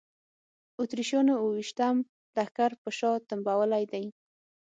اتریشیانو اوه ویشتم لښکر په شا تنبولی دی.